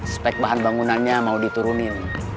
spek bahan bangunannya mau diturunin